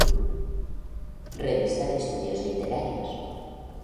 Revista de estudios literarios.